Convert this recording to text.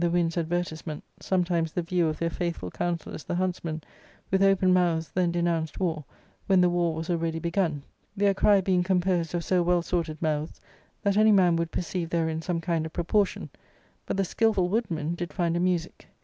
wind's advertisement, sometimes the view of their faithful counsellors the huntsmen, with open mouths then denounced war, when the war was already begun ; their cry being com posed of so well sorted mouths that any man would perceive therein some kind of proportion, but the skilful woodmen did find a music.